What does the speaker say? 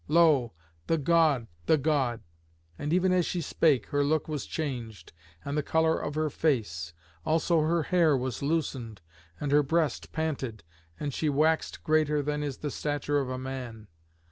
Lo! the god, the god!" And even as she spake her look was changed and the colour of her face; also her hair was loosened, and her breast panted, and she waxed greater than is the stature of a man.